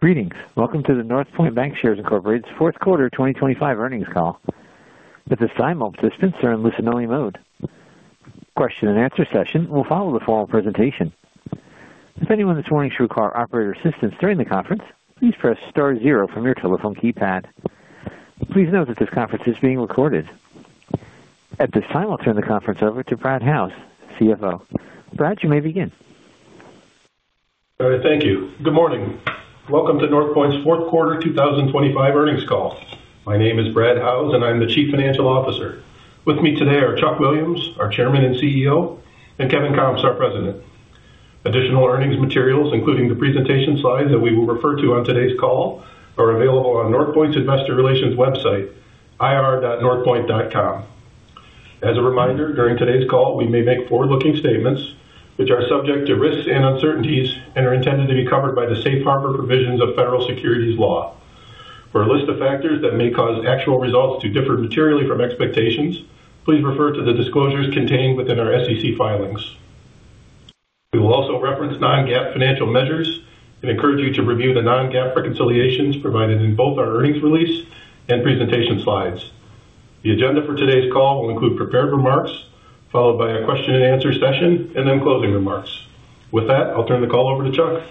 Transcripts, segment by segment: Greetings. Welcome to the Northpointe Bancshares Conference, Fourth Quarter 2025 earnings call. At this time, all participants are in listen-only mode. Question-and-answer session will follow the formal presentation. If anyone this morning should require operator assistance during the conference, please press star zero from your telephone keypad. Please note that this conference is being recorded. At this time, I'll turn the conference over to Brad Howes, CFO. Brad, you may begin. All right. Thank you. Good morning. Welcome to Northpointe's Fourth Quarter 2025 earnings call. My name is Brad Howes, and I'm the Chief Financial Officer. With me today are Chuck Williams, our Chairman and CEO, and Kevin Kamps, our President. Additional earnings materials, including the presentation slides that we will refer to on today's call, are available on Northpointe's Investor Relations website, ir.northpointe.com. As a reminder, during today's call, we may make forward-looking statements which are subject to risks and uncertainties and are intended to be covered by the safe harbor provisions of federal securities law. For a list of factors that may cause actual results to differ materially from expectations, please refer to the disclosures contained within our SEC filings. We will also reference non-GAAP financial measures and encourage you to review the non-GAAP reconciliations provided in both our earnings release and presentation slides. The agenda for today's call will include prepared remarks, followed by a question-and-answer session, and then closing remarks. With that, I'll turn the call over to Chuck.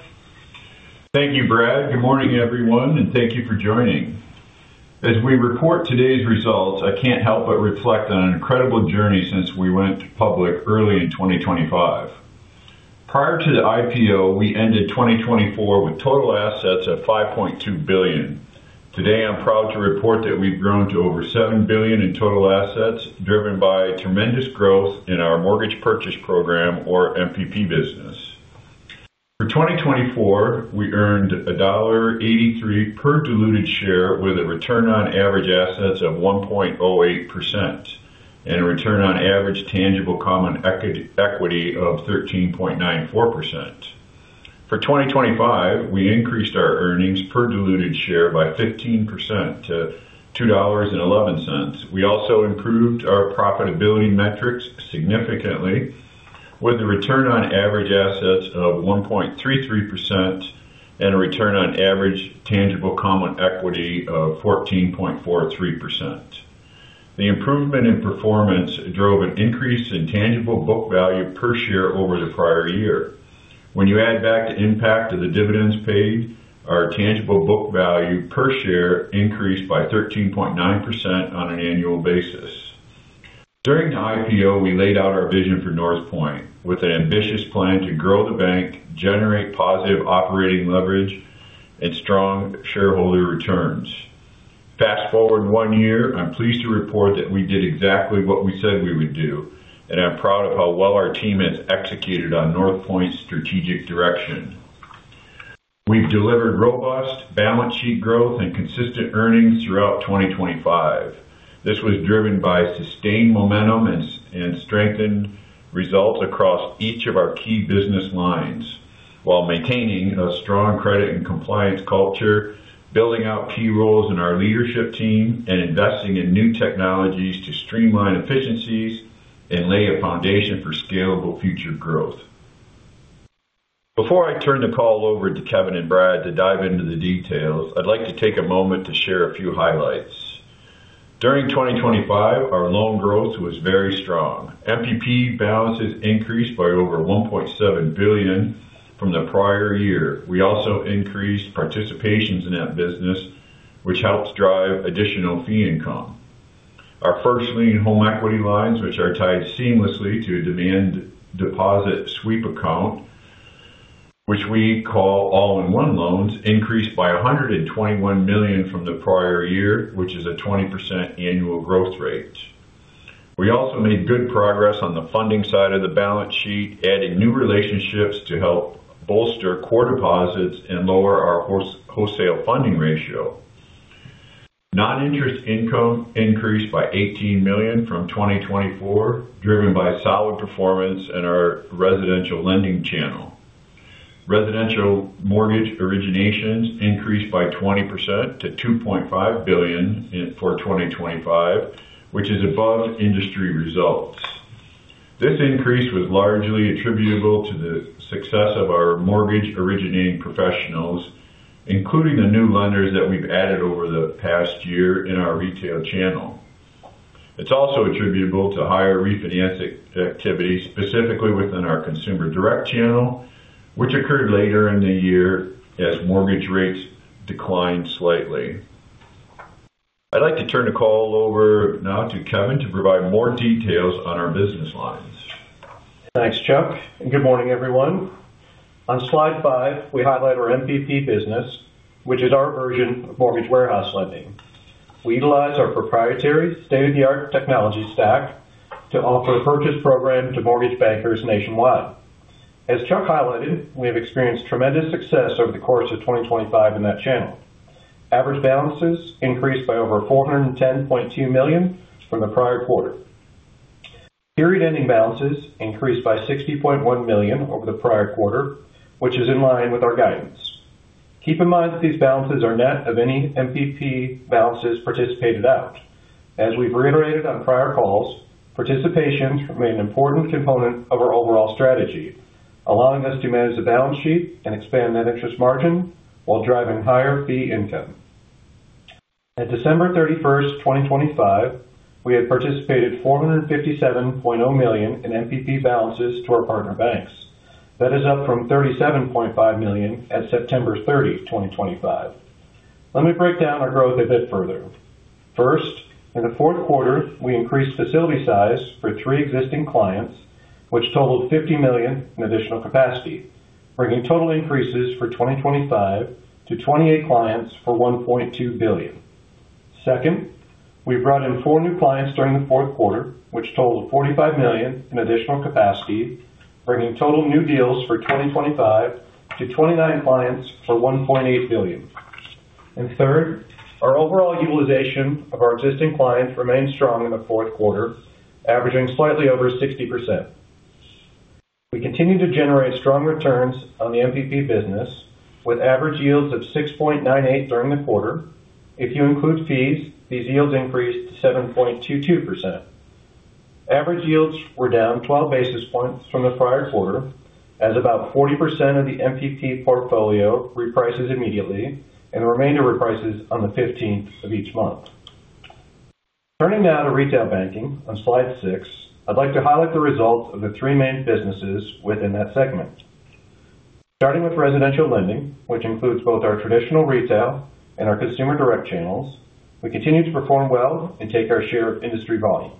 Thank you, Brad. Good morning, everyone, and thank you for joining. As we report today's results, I can't help but reflect on an incredible journey since we went public early in 2025. Prior to the IPO, we ended 2024 with total assets at $5.2 billion. Today, I'm proud to report that we've grown to over $7 billion in total assets, driven by tremendous growth in our Mortgage Purchase Program, or MPP business. For 2024, we earned $1.83 per diluted share, with a return on average assets of 1.08% and a return on average tangible common equity of 13.94%. For 2025, we increased our earnings per diluted share by 15% to $2.11. We also improved our profitability metrics significantly, with a return on average assets of 1.33% and a return on average tangible common equity of 14.43%. The improvement in performance drove an increase in tangible book value per share over the prior year. When you add back the impact of the dividends paid, our tangible book value per share increased by 13.9% on an annual basis. During the IPO, we laid out our vision for Northpointe with an ambitious plan to grow the bank, generate positive operating leverage, and strong shareholder returns. Fast forward one year, I'm pleased to report that we did exactly what we said we would do, and I'm proud of how well our team has executed on Northpointe's strategic direction. We've delivered robust balance sheet growth and consistent earnings throughout 2025. This was driven by sustained momentum and strengthened results across each of our key business lines, while maintaining a strong credit and compliance culture, building out key roles in our leadership team, and investing in new technologies to streamline efficiencies and lay a foundation for scalable future growth. Before I turn the call over to Kevin and Brad to dive into the details, I'd like to take a moment to share a few highlights. During 2025, our loan growth was very strong. MPP balances increased by over $1.7 billion from the prior year. We also increased participations in that business, which helped drive additional fee income. Our first-lien home equity lines, which are tied seamlessly to a demand deposit sweep account, which we call All-in-One loans, increased by $121 million from the prior year, which is a 20% annual growth rate. We also made good progress on the funding side of the balance sheet, adding new relationships to help bolster core deposits and lower our wholesale funding ratio. Non-interest income increased by $18 million from 2024, driven by solid performance in our residential lending channel. Residential mortgage originations increased by 20% to $2.5 billion for 2025, which is above industry results. This increase was largely attributable to the success of our mortgage originating professionals, including the new lenders that we've added over the past year in our retail channel. It's also attributable to higher refinancing activity, specifically within our Consumer Direct channel, which occurred later in the year as mortgage rates declined slightly. I'd like to turn the call over now to Kevin to provide more details on our business lines. Thanks, Chuck, and good morning, everyone. On slide five, we highlight our MPP business, which is our version of mortgage warehouse lending. We utilize our proprietary state-of-the-art technology stack to offer a purchase program to mortgage bankers nationwide. As Chuck highlighted, we have experienced tremendous success over the course of 2025 in that channel. Average balances increased by over $410.2 million from the prior quarter. Period-ending balances increased by $60.1 million over the prior quarter, which is in line with our guidance. Keep in mind that these balances are net of any MPP balances participated out. As we've reiterated on prior calls, participation remained an important component of our overall strategy, allowing us to manage the balance sheet and expand net interest margin while driving higher fee income. At December 31st, 2025, we had participated $457.0 million in MPP balances to our partner banks. That is up from $37.5 million at September 30, 2025. Let me break down our growth a bit further. First, in the fourth quarter, we increased facility size for three existing clients, which totaled $50 million in additional capacity, bringing total increases for 2025 to 28 clients for $1.2 billion. Second, we brought in four new clients during the fourth quarter, which totaled $45 million in additional capacity, bringing total new deals for 2025 to 29 clients for $1.8 billion. And third, our overall utilization of our existing clients remained strong in the fourth quarter, averaging slightly over 60%. We continue to generate strong returns on the MPP business, with average yields of 6.98% during the quarter. If you include fees, these yields increased to 7.22%. Average yields were down 12 basis points from the prior quarter, as about 40% of the MPP portfolio reprices immediately, and the remainder reprices on the 15th of each month. Turning now to retail banking, on slide six, I'd like to highlight the results of the three main businesses within that segment. Starting with residential lending, which includes both our traditional retail and our Consumer Direct channels, we continue to perform well and take our share of industry volume.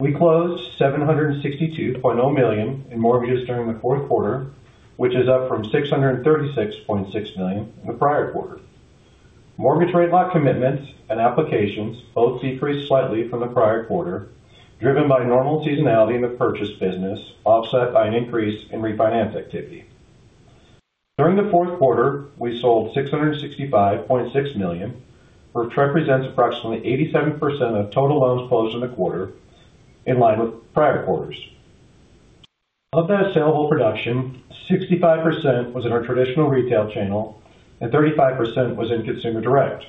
We closed $762.0 million in mortgages during the fourth quarter, which is up from $636.6 million in the prior quarter. Mortgage rate lock commitments and applications both decreased slightly from the prior quarter, driven by normal seasonality in the purchase business, offset by an increase in refinance activity. During the fourth quarter, we sold $665.6 million, which represents approximately 87% of total loans closed in the quarter, in line with prior quarters. Of that saleable production, 65% was in our traditional retail channel, and 35% was in Consumer Direct.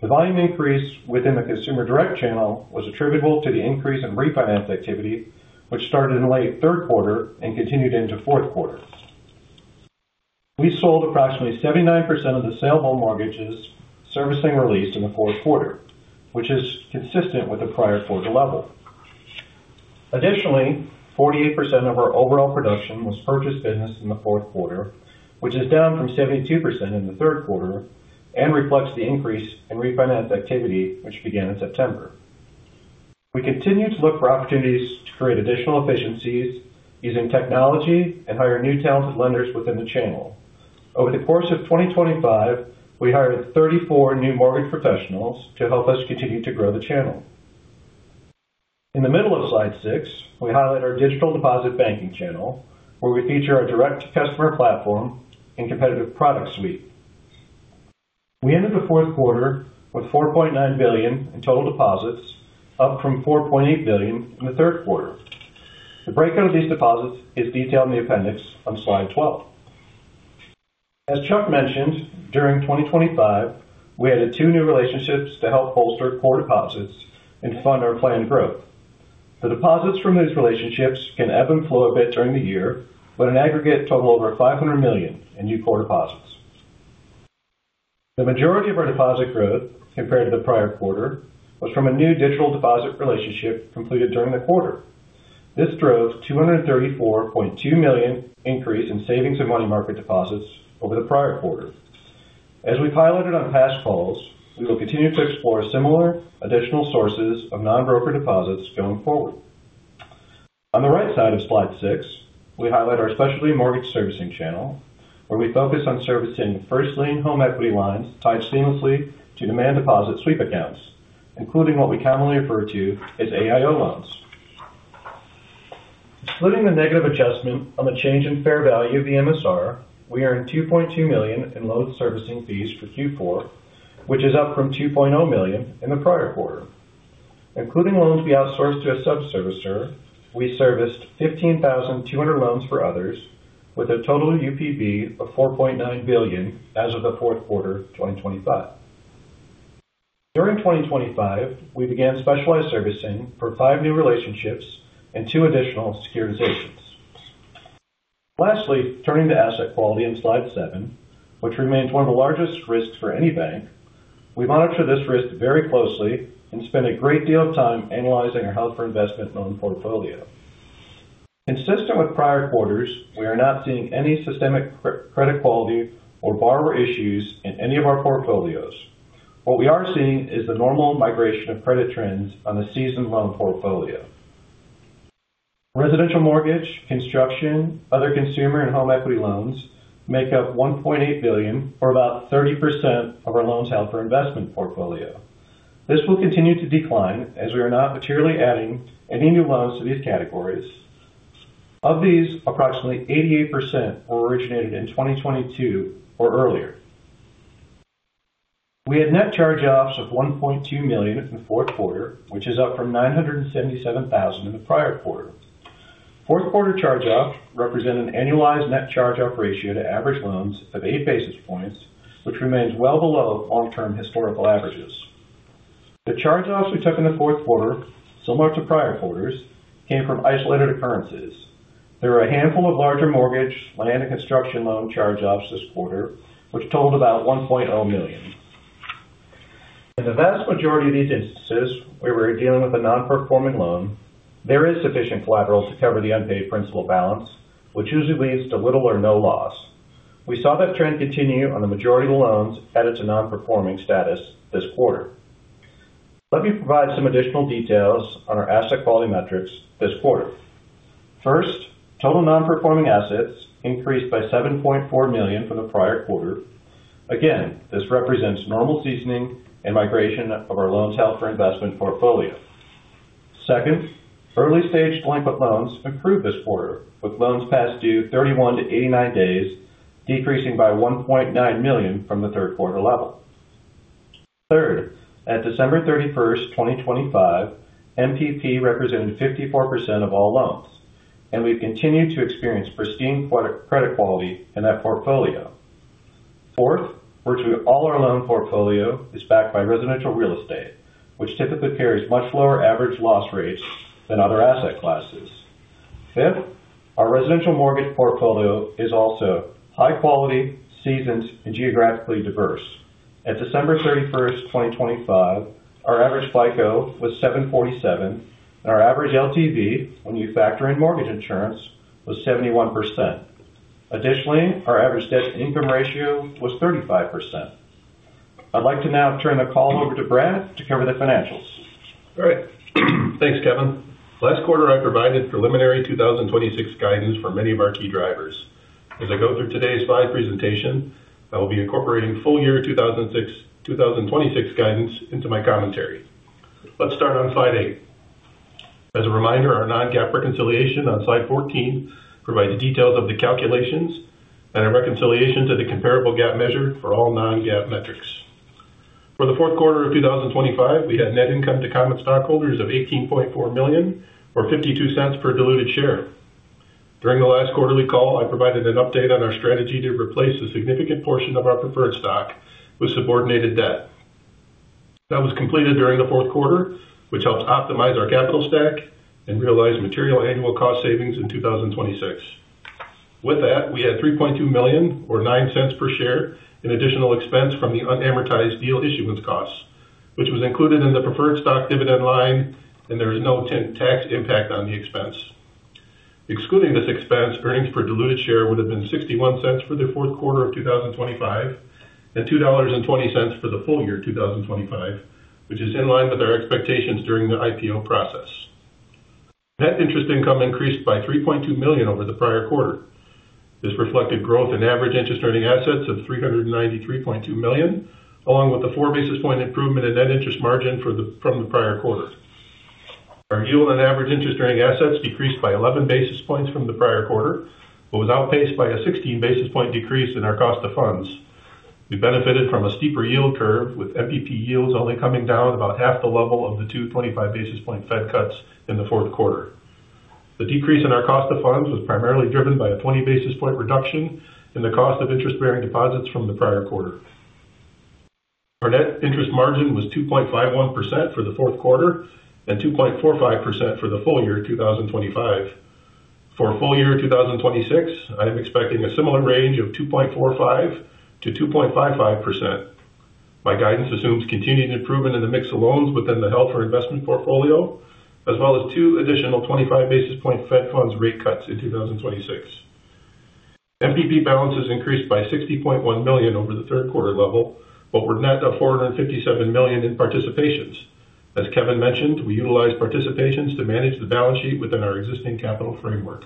The volume increase within the Consumer Direct channel was attributable to the increase in refinance activity, which started in late third quarter and continued into fourth quarter. We sold approximately 79% of the saleable mortgages servicing released in the fourth quarter, which is consistent with the prior quarter level. Additionally, 48% of our overall production was purchase business in the fourth quarter, which is down from 72% in the third quarter and reflects the increase in refinance activity, which began in September. We continue to look for opportunities to create additional efficiencies using technology and hire new talented lenders within the channel. Over the course of 2025, we hired 34 new mortgage professionals to help us continue to grow the channel. In the middle of slide six, we highlight our digital deposit banking channel, where we feature our direct customer platform and competitive product suite. We ended the fourth quarter with $4.9 billion in total deposits, up from $4.8 billion in the third quarter. The breakdown of these deposits is detailed in the appendix on slide 12. As Chuck mentioned, during 2025, we added two new relationships to help bolster core deposits and fund our planned growth. The deposits from these relationships can ebb and flow a bit during the year, but in aggregate, total over $500 million in new core deposits. The majority of our deposit growth, compared to the prior quarter, was from a new digital deposit relationship completed during the quarter. This drove a $234.2 million increase in savings and money market deposits over the prior quarter. As we highlighted on past calls, we will continue to explore similar additional sources of non-brokered deposits going forward. On the right side of slide six, we highlight our specialty mortgage servicing channel, where we focus on servicing first-lien home equity lines tied seamlessly to demand deposit sweep accounts, including what we commonly refer to as AIO loans. Splitting the negative adjustment on the change in fair value of the MSR, we earned $2.2 million in loan servicing fees for Q4, which is up from $2.0 million in the prior quarter. Including loans we outsourced to a sub-servicer, we serviced 15,200 loans for others, with a total UPB of $4.9 billion as of the fourth quarter 2025. During 2025, we began specialized servicing for five new relationships and two additional securitizations. Lastly, turning to asset quality on slide seven, which remains one of the largest risks for any bank, we monitor this risk very closely and spend a great deal of time analyzing our held for investment loan portfolio. Consistent with prior quarters, we are not seeing any systemic credit quality or borrower issues in any of our portfolios. What we are seeing is the normal migration of credit trends on the seasoned loan portfolio. Residential mortgage, construction, other consumer, and home equity loans make up $1.8 billion, or about 30% of our loans held for investment portfolio. This will continue to decline as we are not materially adding any new loans to these categories. Of these, approximately 88% were originated in 2022 or earlier. We had net charge-offs of $1.2 million in the fourth quarter, which is up from $977,000 in the prior quarter. Fourth quarter charge-offs represent an annualized net charge-off ratio to average loans of eight basis points, which remains well below long-term historical averages. The charge-offs we took in the fourth quarter, similar to prior quarters, came from isolated occurrences. There were a handful of larger mortgage, land, and construction loan charge-offs this quarter, which totaled about $1.0 million. In the vast majority of these instances, we were dealing with a non-performing loan. There is sufficient collateral to cover the unpaid principal balance, which usually leads to little or no loss. We saw that trend continue on the majority of the loans added to non-performing status this quarter. Let me provide some additional details on our asset quality metrics this quarter. First, total non-performing assets increased by $7.4 million from the prior quarter. Again, this represents normal seasoning and migration of our loans held for investment portfolio. Second, early-stage delinquent loans improved this quarter, with loans past due 31-89 days, decreasing by $1.9 million from the third quarter level. Third, at December 31st, 2025, MPP represented 54% of all loans, and we've continued to experience pristine credit quality in that portfolio. Fourth, virtually all our loan portfolio is backed by residential real estate, which typically carries much lower average loss rates than other asset classes. Fifth, our residential mortgage portfolio is also high quality, seasoned, and geographically diverse. At December 31st, 2025, our average FICO was 747, and our average LTV, when you factor in mortgage insurance, was 71%. Additionally, our average debt-to-income ratio was 35%. I'd like to now turn the call over to Brad to cover the financials. All right. Thanks, Kevin. Last quarter, I provided preliminary 2026 guidance for many of our key drivers. As I go through today's slide presentation, I will be incorporating full year 2026 guidance into my commentary. Let's start on slide eight. As a reminder, our non-GAAP reconciliation on slide 14 provides details of the calculations and a reconciliation to the comparable GAAP measure for all non-GAAP metrics. For the fourth quarter of 2025, we had net income to common stockholders of $18.4 million, or $0.52 per diluted share. During the last quarterly call, I provided an update on our strategy to replace a significant portion of our preferred stock with subordinated debt. That was completed during the fourth quarter, which helped optimize our capital stack and realize material annual cost savings in 2026. With that, we had $3.2 million, or $0.09 per share, in additional expense from the unamortized deal issuance costs, which was included in the preferred stock dividend line, and there is no tax impact on the expense. Excluding this expense, earnings per diluted share would have been $0.61 for the fourth quarter of 2025 and $2.20 for the full year 2025, which is in line with our expectations during the IPO process. Net interest income increased by $3.2 million over the prior quarter. This reflected growth in average interest-earning assets of $393.2 million, along with a four basis points improvement in net interest margin from the prior quarter. Our yield on average interest-earning assets decreased by 11 basis points from the prior quarter, but was outpaced by a 16 basis points decrease in our cost of funds. We benefited from a steeper yield curve, with MPP yields only coming down about half the level of the two 25-basis-point Fed cuts in the fourth quarter. The decrease in our cost of funds was primarily driven by a 20-basis-point reduction in the cost of interest-bearing deposits from the prior quarter. Our net interest margin was 2.51% for the fourth quarter and 2.45% for the full year 2025. For full year 2026, I am expecting a similar range of 2.45% to 2.55%. My guidance assumes continued improvement in the mix of loans within the held-for-investment portfolio, as well as two additional 25-basis-point Fed funds rate cuts in 2026. MPP balances increased by $60.1 million over the third quarter level, but were net of $457 million in participations. As Kevin mentioned, we utilized participations to manage the balance sheet within our existing capital framework.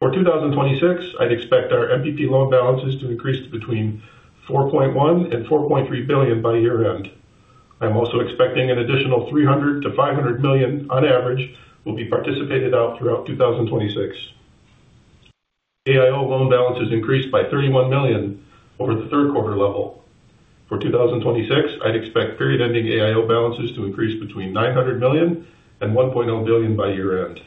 For 2026, I'd expect our MPP loan balances to increase to between $4.1 and $4.3 billion by year-end. I'm also expecting an additional $300 to $500 million on average will be participated out throughout 2026. AIO loan balances increased by $31 million over the third quarter level. For 2026, I'd expect period-ending AIO balances to increase between $900 million and $1.0 billion by year-end.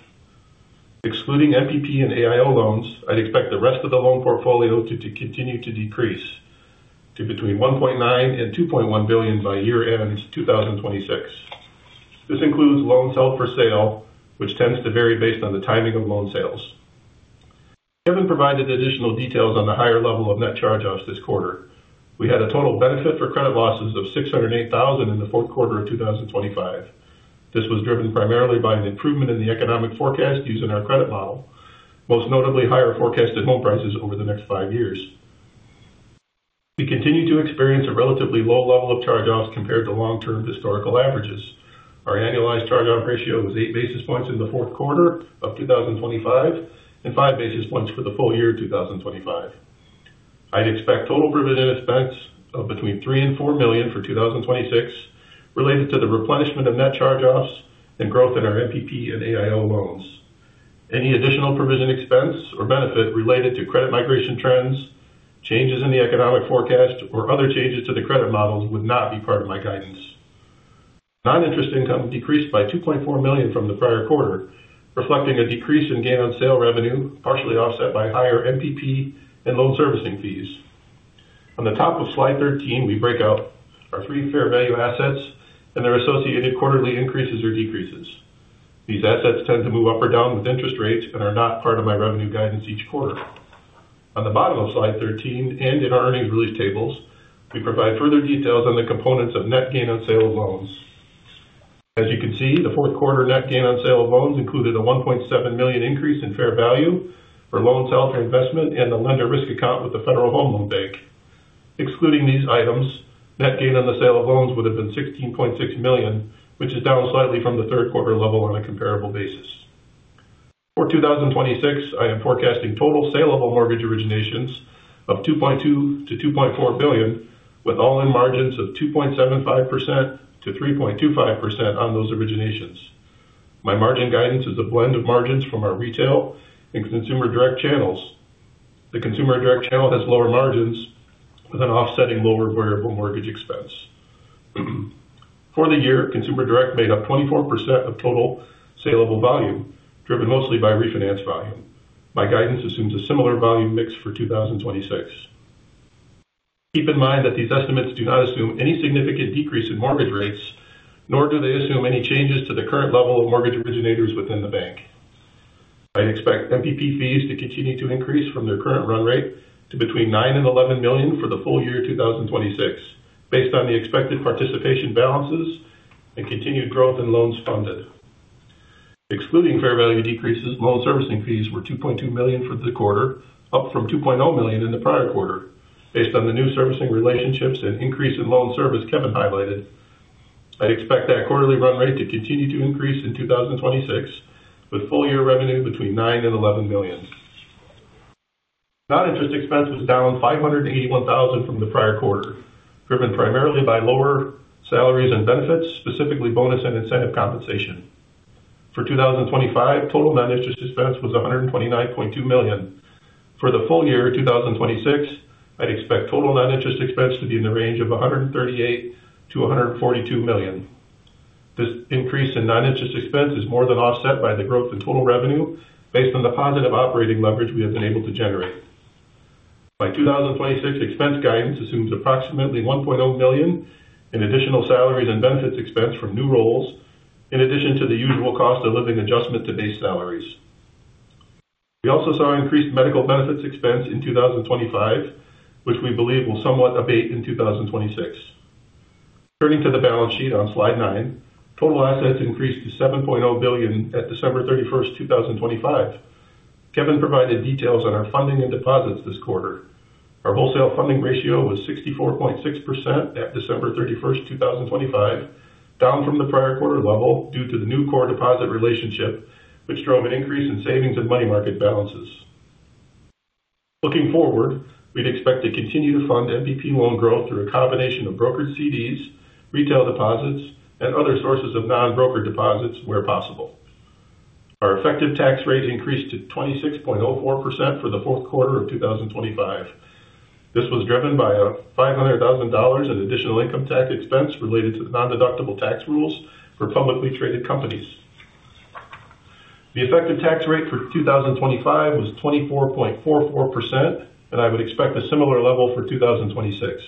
Excluding MPP and AIO loans, I'd expect the rest of the loan portfolio to continue to decrease to between $1.9 and $2.1 billion by year-end 2026. This includes loans held for sale, which tends to vary based on the timing of loan sales. Kevin provided additional details on the higher level of net charge-offs this quarter. We had a total benefit for credit losses of $608,000 in the fourth quarter of 2025. This was driven primarily by an improvement in the economic forecast using our credit model, most notably higher forecasted home prices over the next five years. We continue to experience a relatively low level of charge-offs compared to long-term historical averages. Our annualized charge-off ratio was eight basis points in the fourth quarter of 2025 and five basis points for the full year 2025. I'd expect total provision expense of between $3 and $4 million for 2026 related to the replenishment of net charge-offs and growth in our MPP and AIO loans. Any additional provision expense or benefit related to credit migration trends, changes in the economic forecast, or other changes to the credit models would not be part of my guidance. Non-interest income decreased by $2.4 million from the prior quarter, reflecting a decrease in gain on sale revenue, partially offset by higher MPP and loan servicing fees. On the top of slide 13, we break out our three fair value assets and their associated quarterly increases or decreases. These assets tend to move up or down with interest rates and are not part of my revenue guidance each quarter. On the bottom of slide 13 and in our earnings release tables, we provide further details on the components of net gain on sale of loans. As you can see, the fourth quarter net gain on sale of loans included a $1.7 million increase in fair value for loans held for investment and the Lender Risk Account with the Federal Home Loan Bank. Excluding these items, net gain on the sale of loans would have been $16.6 million, which is down slightly from the third quarter level on a comparable basis. For 2026, I am forecasting total saleable mortgage originations of $2.2-$2.4 billion, with all-in margins of 2.75%-3.25% on those originations. My margin guidance is a blend of margins from our retail and Consumer Direct channels. The Consumer Direct channel has lower margins with an offsetting lower variable mortgage expense. For the year, Consumer Direct made up 24% of total saleable volume, driven mostly by refinance volume. My guidance assumes a similar volume mix for 2026. Keep in mind that these estimates do not assume any significant decrease in mortgage rates, nor do they assume any changes to the current level of mortgage originators within the bank. I'd expect MPP fees to continue to increase from their current run rate to between $9 and $11 million for the full year 2026, based on the expected participation balances and continued growth in loans funded. Excluding fair value decreases, loan servicing fees were $2.2 million for the quarter, up from $2.0 million in the prior quarter. Based on the new servicing relationships and increase in loan service Kevin highlighted, I'd expect that quarterly run rate to continue to increase in 2026, with full year revenue between $9 and $11 million. Non-interest expense was down $581,000 from the prior quarter, driven primarily by lower salaries and benefits, specifically bonus and incentive compensation. For 2025, total non-interest expense was $129.2 million. For the full year 2026, I'd expect total non-interest expense to be in the range of $138 to $142 million. This increase in non-interest expense is more than offset by the growth in total revenue, based on the positive operating leverage we have been able to generate. By 2026, expense guidance assumes approximately $1.0 million in additional salaries and benefits expense from new roles, in addition to the usual cost of living adjustment to base salaries. We also saw increased medical benefits expense in 2025, which we believe will somewhat abate in 2026. Turning to the balance sheet on slide nine, total assets increased to $7.0 billion at December 31st, 2025. Kevin provided details on our funding and deposits this quarter. Our wholesale funding ratio was 64.6% at December 31st, 2025, down from the prior quarter level due to the new core deposit relationship, which drove an increase in savings and money market balances. Looking forward, we'd expect to continue to fund MPP loan growth through a combination of brokered CDs, retail deposits, and other sources of non-brokered deposits where possible. Our effective tax rate increased to 26.04% for the fourth quarter of 2025. This was driven by $500,000 in additional income tax expense related to the non-deductible tax rules for publicly traded companies. The effective tax rate for 2025 was 24.44%, and I would expect a similar level for 2026.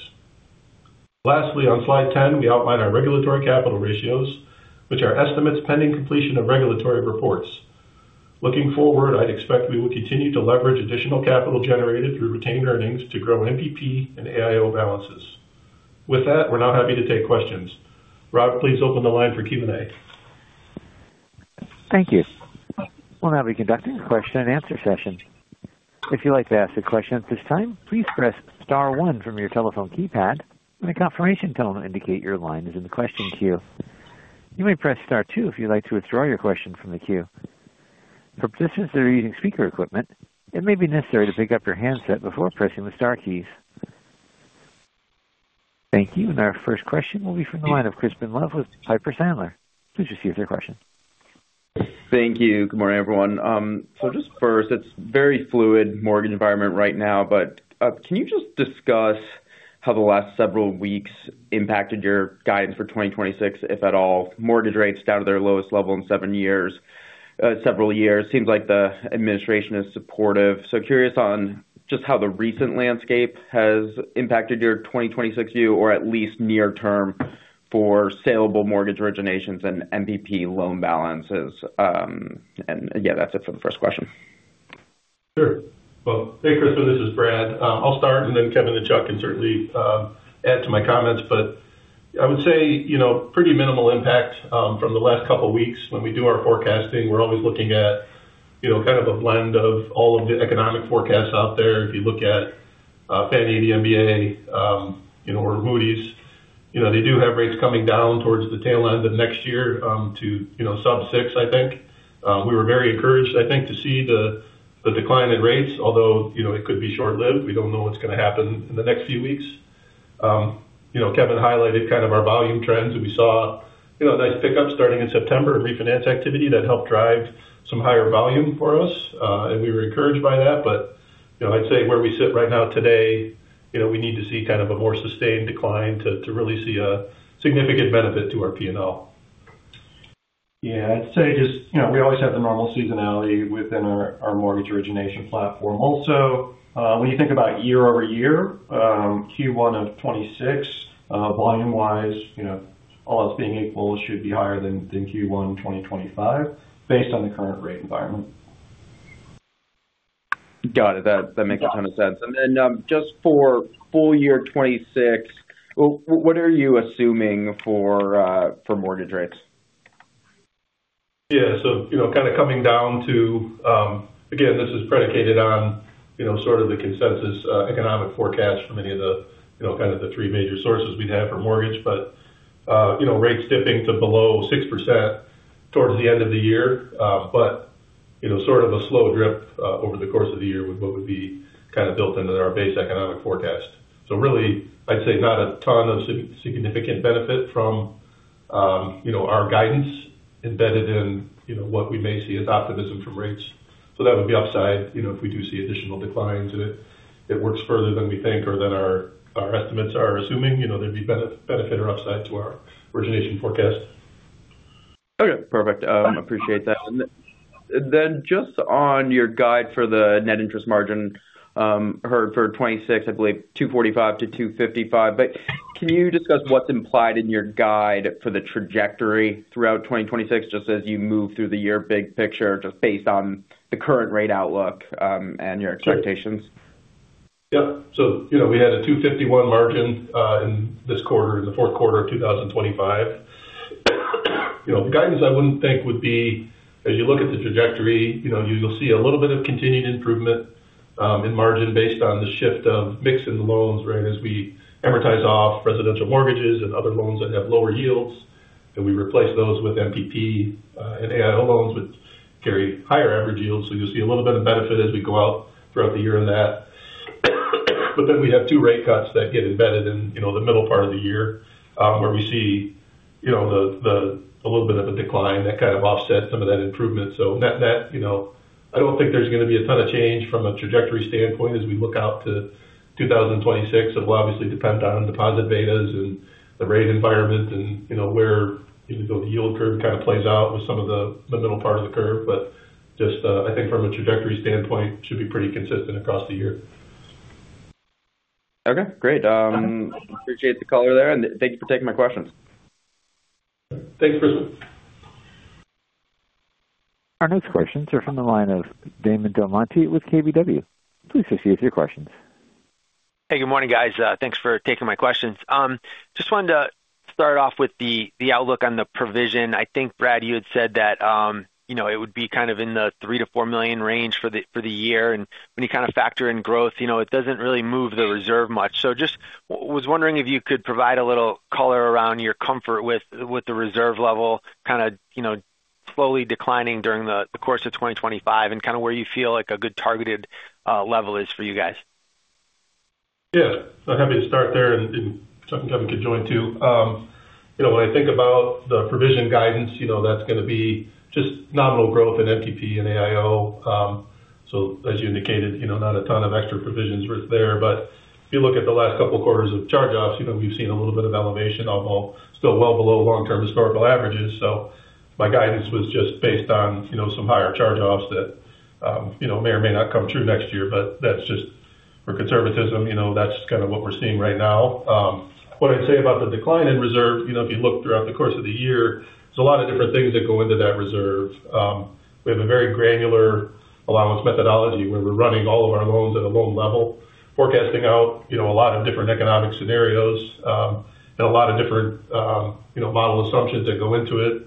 Lastly, on slide 10, we outline our regulatory capital ratios, which are estimates pending completion of regulatory reports. Looking forward, I'd expect we will continue to leverage additional capital generated through retained earnings to grow MPP and AIO balances. With that, we're now happy to take questions. Rob, please open the line for Q&A. Thank you. We'll now be conducting a question-and-answer session. If you'd like to ask a question at this time, please press star one from your telephone keypad, and a confirmation tone will indicate your line is in the question queue. You may press star two if you'd like to withdraw your question from the queue. For participants that are using speaker equipment, it may be necessary to pick up your handset before pressing the Star keys. Thank you. And our first question will be from the line of Crispin Love with Piper Sandler. Please proceed with your question. Thank you. Good morning, everyone. So just first, it's a very fluid mortgage environment right now, but can you just discuss how the last several weeks impacted your guidance for 2026, if at all? Mortgage rates down to their lowest level in several years. It seems like the administration is supportive. So curious on just how the recent landscape has impacted your 2026 view, or at least near term, for saleable mortgage originations and MPP loan balances. And yeah, that's it for the first question. Sure. Hey, Chris, this is Brad. I'll start, and then Kevin and Chuck can certainly add to my comments, but I would say pretty minimal impact from the last couple of weeks. When we do our forecasting, we're always looking at kind of a blend of all of the economic forecasts out there. If you look at Fannie, the MBA, or Moody's, they do have rates coming down towards the tail end of next year to sub-six, I think. We were very encouraged, I think, to see the decline in rates, although it could be short-lived. We don't know what's going to happen in the next few weeks. Kevin highlighted kind of our volume trends, and we saw a nice pickup starting in September in refinance activity that helped drive some higher volume for us, and we were encouraged by that. But I'd say where we sit right now today, we need to see kind of a more sustained decline to really see a significant benefit to our P&L. Yeah, I'd say just we always have the normal seasonality within our mortgage origination platform. Also, when you think about year-over-year, Q1 of 2026, volume-wise, all else being equal, should be higher than Q1 2025, based on the current rate environment. Got it. That makes a ton of sense. And then just for full year 2026, what are you assuming for mortgage rates? Yeah. So kind of coming down to, again, this is predicated on sort of the consensus economic forecast from any of the kind of the three major sources we'd have for mortgage, but rates dipping to below 6% towards the end of the year, but sort of a slow drip over the course of the year with what would be kind of built into our base economic forecast. So really, I'd say not a ton of significant benefit from our guidance embedded in what we may see as optimism from rates. So that would be upside if we do see additional declines and it works further than we think or than our estimates are assuming; there'd be benefit or upside to our origination forecast. Okay. Perfect. I appreciate that, and then just on your guide for the net interest margin for 2026, I believe $245-$255, but can you discuss what's implied in your guide for the trajectory throughout 2026, just as you move through the year, big picture, just based on the current rate outlook and your expectations? Yep. So we had a $251 margin in this quarter, in the fourth quarter of 2025. The guidance I wouldn't think would be, as you look at the trajectory, you'll see a little bit of continued improvement in margin based on the shift of mix in the loans, right, as we amortize off residential mortgages and other loans that have lower yields, and we replace those with MPP and AIO loans which carry higher average yields. So you'll see a little bit of benefit as we go out throughout the year in that. But then we have two rate cuts that get embedded in the middle part of the year where we see a little bit of a decline that kind of offsets some of that improvement. So I don't think there's going to be a ton of change from a trajectory standpoint as we look out to 2026. It will obviously depend on deposit betas and the rate environment and where the yield curve kind of plays out with some of the middle part of the curve. But just I think from a trajectory standpoint, it should be pretty consistent across the year. Okay. Great. Appreciate the color there, and thank you for taking my questions. Thanks, Chris. Our next questions are from the line of Damon DelMonte with KBW. Please proceed with your questions. Hey, good morning, guys. Thanks for taking my questions. Just wanted to start off with the outlook on the provision. I think, Brad, you had said that it would be kind of in the $3-$4 million range for the year. And when you kind of factor in growth, it doesn't really move the reserve much. So just was wondering if you could provide a little color around your comfort with the reserve level kind of slowly declining during the course of 2025 and kind of where you feel like a good targeted level is for you guys? Yeah. I'm happy to start there, and Kevin could join too. When I think about the provision guidance, that's going to be just nominal growth in MPP and AIO. So as you indicated, not a ton of extra provisions there. But if you look at the last couple of quarters of charge-offs, we've seen a little bit of elevation, although still well below long-term historical averages. So my guidance was just based on some higher charge-offs that may or may not come true next year. But that's just for conservatism. That's kind of what we're seeing right now. What I'd say about the decline in reserve, if you look throughout the course of the year, there's a lot of different things that go into that reserve. We have a very granular allowance methodology where we're running all of our loans at a loan level, forecasting out a lot of different economic scenarios and a lot of different model assumptions that go into it.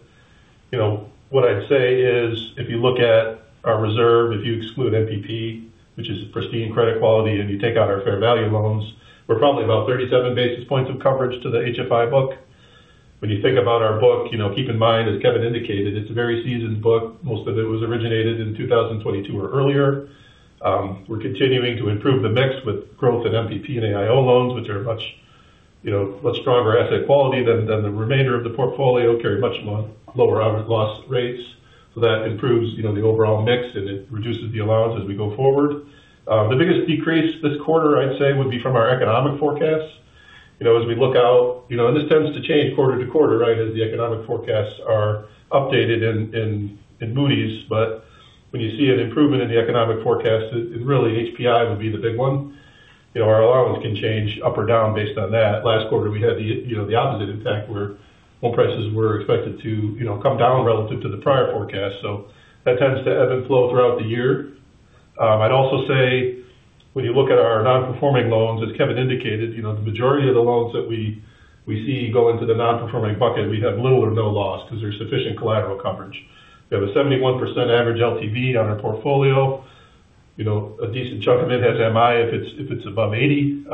What I'd say is, if you look at our reserve, if you exclude MPP, which is pristine credit quality, and you take out our fair value loans, we're probably about 37 basis points of coverage to the HFI book. When you think about our book, keep in mind, as Kevin indicated, it's a very seasoned book. Most of it was originated in 2022 or earlier. We're continuing to improve the mix with growth in MPP and AIO loans, which are much stronger asset quality than the remainder of the portfolio, carry much lower average loss rates. So that improves the overall mix, and it reduces the allowance as we go forward. The biggest decrease this quarter, I'd say, would be from our economic forecasts. As we look out, and this tends to change quarter to quarter, right, as the economic forecasts are updated in Moody's. But when you see an improvement in the economic forecast, really HPI would be the big one. Our allowance can change up or down based on that. Last quarter, we had the opposite impact where home prices were expected to come down relative to the prior forecast. So that tends to ebb and flow throughout the year. I'd also say, when you look at our non-performing loans, as Kevin indicated, the majority of the loans that we see go into the non-performing bucket, we have little or no loss because there's sufficient collateral coverage. We have a 71% average LTV on our portfolio. A decent chunk of it has MI if it's above 80,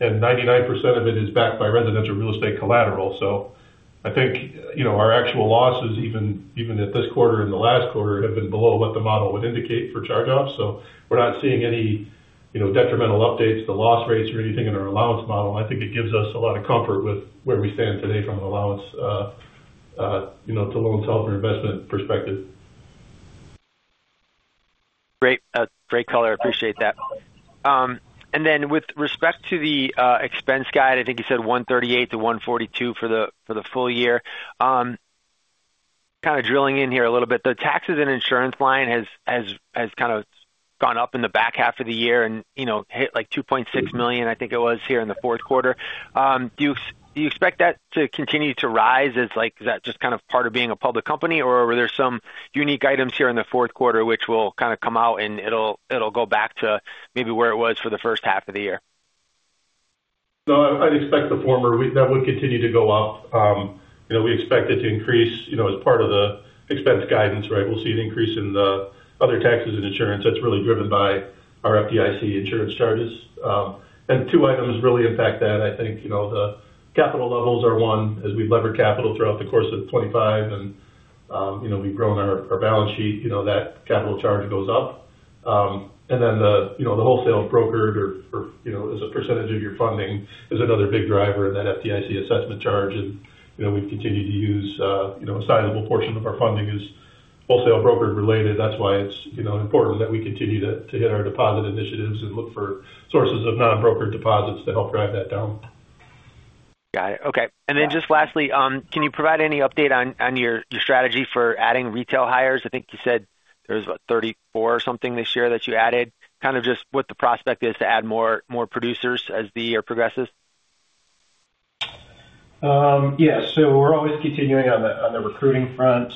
and 99% of it is backed by residential real estate collateral. So I think our actual losses, even at this quarter and the last quarter, have been below what the model would indicate for charge-offs. So we're not seeing any detrimental updates to loss rates or anything in our allowance model. And I think it gives us a lot of comfort with where we stand today from an allowance to loan to help your investment perspective. Great. Great color. I appreciate that. And then with respect to the expense guide, I think you said $138-$142 for the full year. Kind of drilling in here a little bit, the taxes and insurance line has kind of gone up in the back half of the year and hit like $2.6 million, I think it was here in the fourth quarter. Do you expect that to continue to rise? Is that just kind of part of being a public company, or were there some unique items here in the fourth quarter which will kind of come out and it'll go back to maybe where it was for the first half of the year? No, I'd expect the former. That would continue to go up. We expect it to increase as part of the expense guidance, right? We'll see an increase in the other taxes and insurance that's really driven by our FDIC insurance charges. And two items really impact that. I think the capital levels are one. As we've levered capital throughout the course of 2025 and we've grown our balance sheet, that capital charge goes up. And then the wholesale brokered or as a percentage of your funding is another big driver in that FDIC assessment charge. And we've continued to use a sizable portion of our funding is wholesale brokered related. That's why it's important that we continue to hit our deposit initiatives and look for sources of non-brokered deposits to help drive that down. Got it. Okay. And then just lastly, can you provide any update on your strategy for adding retail hires? I think you said there was about 34 or something this year that you added. Kind of just what the prospect is to add more producers as the year progresses? Yeah, so we're always continuing on the recruiting front.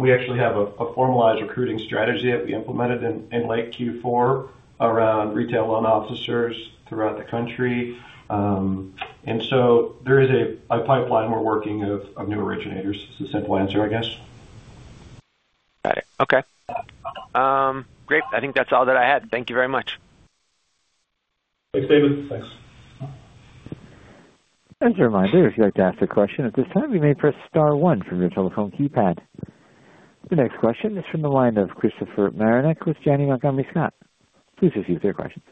We actually have a formalized recruiting strategy that we implemented in late Q4 around retail loan officers throughout the country, and so there is a pipeline we're working of new originators. It's a simple answer, I guess. Got it. Okay. Great. I think that's all that I had. Thank you very much. Thanks, Damon. Thanks. To remind you, if you'd like to ask a question at this time, you may press star one from your telephone keypad. The next question is from the line of Christopher Marinac with Janney Montgomery Scott. Please proceed with your questions.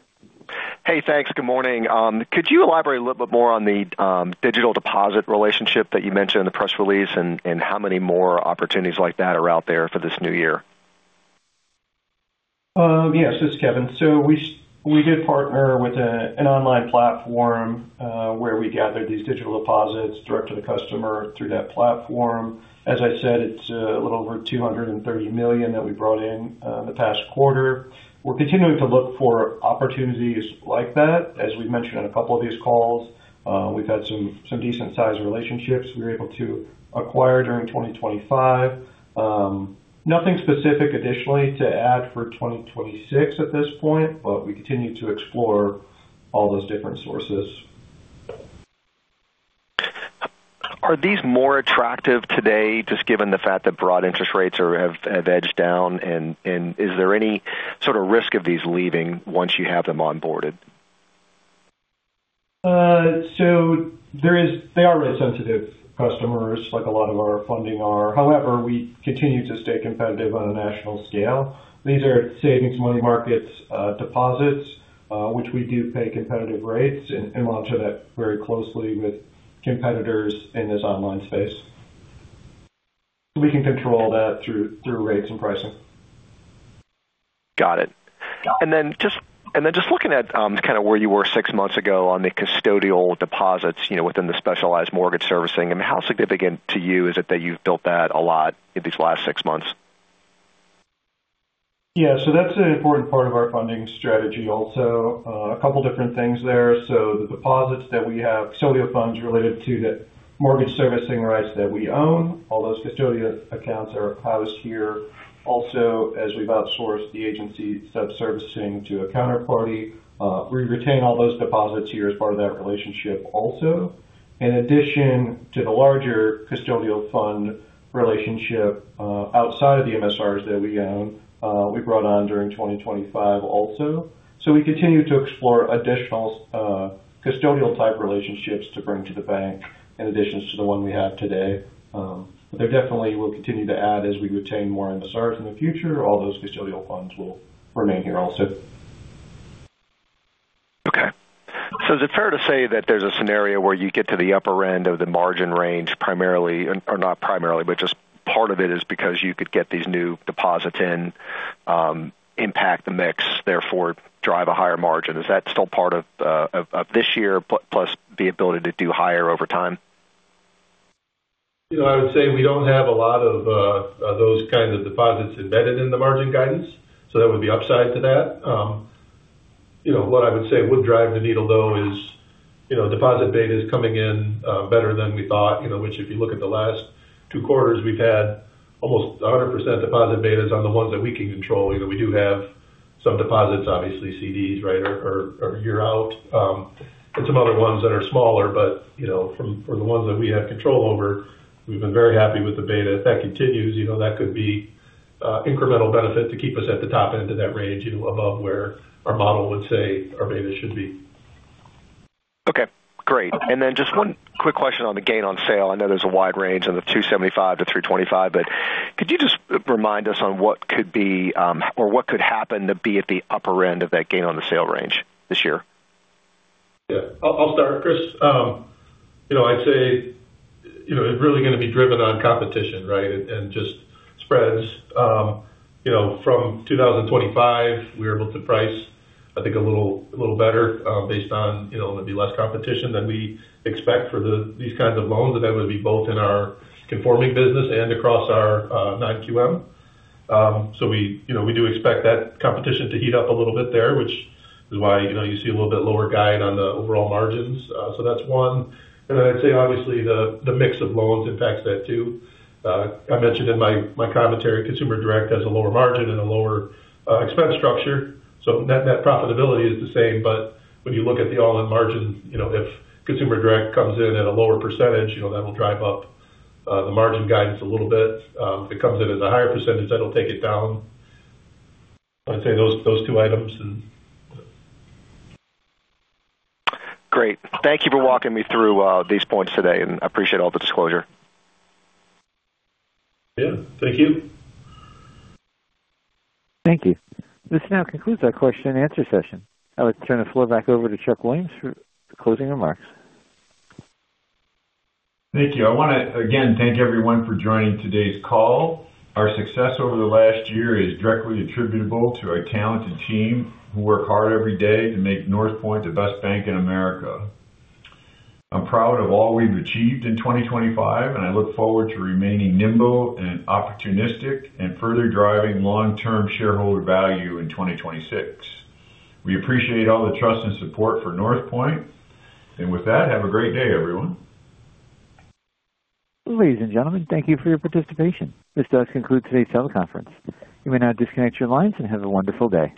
Hey, thanks. Good morning. Could you elaborate a little bit more on the digital deposit relationship that you mentioned in the press release and how many more opportunities like that are out there for this new year? Yes, it's Kevin. So we did partner with an online platform where we gathered these digital deposits direct to the customer through that platform. As I said, it's a little over $230 million that we brought in the past quarter. We're continuing to look for opportunities like that. As we've mentioned on a couple of these calls, we've had some decent-sized relationships we were able to acquire during 2025. Nothing specific additionally to add for 2026 at this point, but we continue to explore all those different sources. Are these more attractive today, just given the fact that broad interest rates have edged down? And is there any sort of risk of these leaving once you have them onboarded? So they are really sensitive customers, like a lot of our funding are. However, we continue to stay competitive on a national scale. These are savings money market deposits, which we do pay competitive rates and monitor that very closely with competitors in this online space. So we can control that through rates and pricing. Got it. And then just looking at kind of where you were six months ago on the custodial deposits within the specialized mortgage servicing, I mean, how significant to you is it that you've built that a lot in these last six months? Yeah. So that's an important part of our funding strategy also. A couple of different things there. So the deposits that we have, custodial funds related to the mortgage servicing rights that we own, all those custodial accounts are housed here. Also, as we've outsourced the agency sub-servicing to a counterparty, we retain all those deposits here as part of that relationship also. In addition to the larger custodial fund relationship outside of the MSRs that we own, we brought on during 2025 also. So we continue to explore additional custodial-type relationships to bring to the bank in addition to the one we have today. But they definitely will continue to add as we retain more MSRs in the future. All those custodial funds will remain here also. Okay. So is it fair to say that there's a scenario where you get to the upper end of the margin range primarily, or not primarily, but just part of it is because you could get these new deposits in, impact the mix, therefore drive a higher margin? Is that still part of this year plus the ability to do higher over time? I would say we don't have a lot of those kinds of deposits embedded in the margin guidance. So that would be upside to that. What I would say would drive the needle, though, is deposit betas coming in better than we thought, which if you look at the last two quarters, we've had almost 100% deposit betas on the ones that we can control. We do have some deposits, obviously, CDs, right, or year-out, and some other ones that are smaller. But for the ones that we have control over, we've been very happy with the beta. If that continues, that could be incremental benefit to keep us at the top end of that range above where our model would say our beta should be. Okay. Great. And then just one quick question on the gain on sale. I know there's a wide range on the $275-$325, but could you just remind us on what could be or what could happen to be at the upper end of that gain on the sale range this year? Yeah. I'll start, Chris. I'd say it's really going to be driven on competition, right, and just spreads. From 2025, we were able to price, I think, a little better based on there'd be less competition than we expect for these kinds of loans. And that would be both in our conforming business and across our non-QM. So we do expect that competition to heat up a little bit there, which is why you see a little bit lower guide on the overall margins. So that's one. And then I'd say, obviously, the mix of loans impacts that too. I mentioned in my commentary, Consumer Direct has a lower margin and a lower expense structure. So net profitability is the same. But when you look at the all-in margin, if Consumer Direct comes in at a lower percentage, that'll drive up the margin guidance a little bit. If it comes in at a higher percentage, that'll take it down. I'd say those two items. Great. Thank you for walking me through these points today, and I appreciate all the disclosure. Yeah. Thank you. Thank you. This now concludes our question-and-answer session. I would turn the floor back over to Chuck Williams for closing remarks. Thank you. I want to, again, thank everyone for joining today's call. Our success over the last year is directly attributable to our talented team who work hard every day to make Northpointe the best bank in America. I'm proud of all we've achieved in 2025, and I look forward to remaining nimble and opportunistic and further driving long-term shareholder value in 2026. We appreciate all the trust and support for Northpointe, and with that, have a great day, everyone. Ladies and gentlemen, thank you for your participation. This does conclude today's teleconference. You may now disconnect your lines and have a wonderful day.